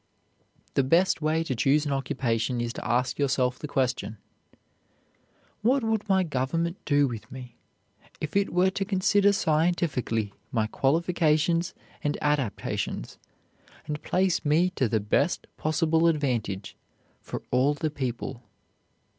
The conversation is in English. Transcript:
The best way to choose an occupation is to ask yourself the question, "What would my government do with me if it were to consider scientifically my qualifications and adaptations, and place me to the best possible advantage for all the people?"